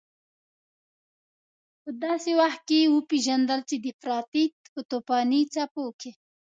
په داسې وخت کې وپېژندل چې د افراطيت په توپاني څپو کې.